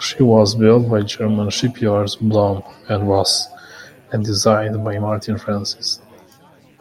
She was built by German shipyards Blohm and Voss and designed by Martin Francis.